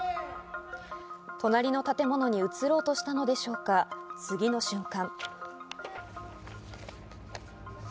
隣の建物に移ろうとしたのでしょうか、次の瞬間。